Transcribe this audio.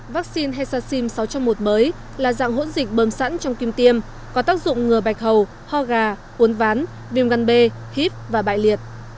vaccine hexacin sáu trong một mới là dạng hỗn dịch bơm sẵn trong kim tiêm có tác dụng ngừa bạch hầu hoa gà hốn ván viêm găn bê hiếp và bại liệt